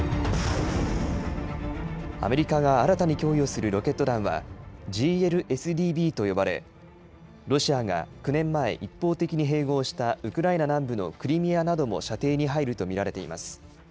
アメリカが新たに供与するロケット弾は、ＧＬＳＤＢと呼ばれ、ロシアが９年前、一方的に併合したウクライナ南部のクリミアなども射程に入ると見られています。